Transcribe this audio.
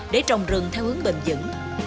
để trồng rừng theo hướng bền dẫn